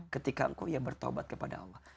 ketika engkau ia bertobat kepada allah